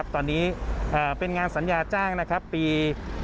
ตอนนี้เป็นงานสัญญาจ้างปี